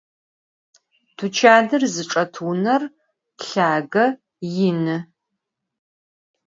Tuçanır zıçç'et vuner lhage, yinı.